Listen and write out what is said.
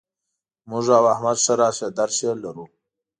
موږ او احمد ښه راشه درشه لرو.